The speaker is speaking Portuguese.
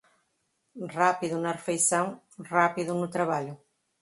Rápido na refeição, rápido no trabalho.